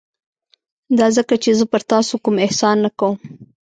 دا ځکه چې زه پر تاسو کوم احسان نه کوم.